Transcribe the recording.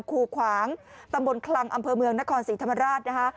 คู่ขวางตำบลคลังอเมืองนครศรีธรรมราช